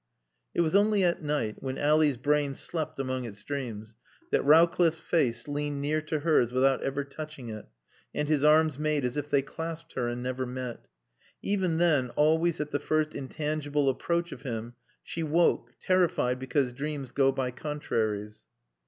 It was only at night, when Ally's brain slept among its dreams, that Rowcliffe's face leaned near to hers without ever touching it, and his arms made as if they clasped her and never met. Even then, always at the first intangible approach of him, she woke, terrified because dreams go by contraries.